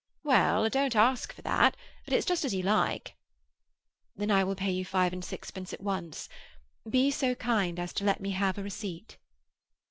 "Well, I don't ask for that; but it's just as you like." "Then I will pay you five and sixpence at once. Be so kind as to let me have a receipt."